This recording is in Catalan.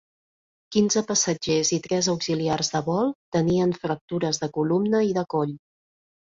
Quinze passatgers i tres auxiliars de vol tenien fractures de columna i de coll.